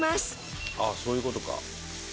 あっそういう事か。